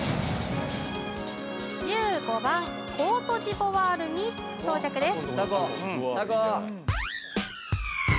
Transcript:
１５番コートジボワールに到着です